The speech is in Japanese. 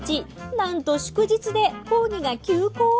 なんと祝日で講義が休講。